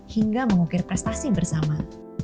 hingga mengukir prestasi bersama